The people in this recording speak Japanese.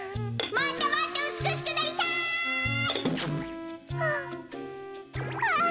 もっともっとうつくしくなりたい！ほっ。